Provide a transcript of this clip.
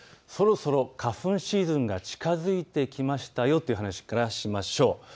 そろそろ花粉シーズンが近づいてきましたよというお話からします。